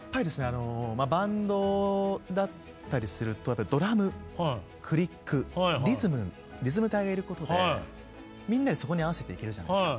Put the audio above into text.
あのバンドだったりするとドラムクリックリズムリズム隊がいることでみんなでそこに合わせていけるじゃないですか。